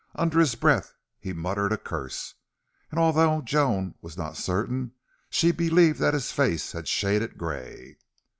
Under his breath he muttered a curse. And although Joan was not certain, she believed that his face had shaded gray.